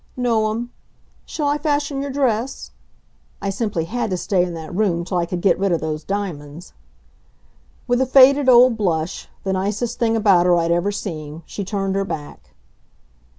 "No'm. Shall I fasten your dress?" I simply had to stay in that room till I could get rid of those diamonds. With a faded old blush the nicest thing about her I'd ever seen she turned her back.